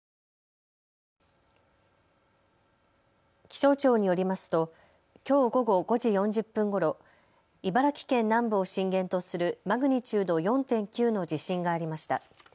気象庁によりますときょう午後５時４０分ごろ茨城県南部を震源とするマグニチュード４．９の地震がありました。